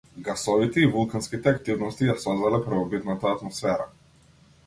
Гасовите и вулканските активности ја создале првобитната атмосфера.